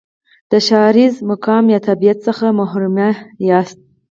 د ښاریز مقام یا تابعیت څخه محروم یاست.